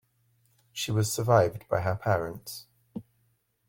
She was survived by her parents.